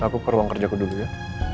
aku perlu angkerjaku dulu ya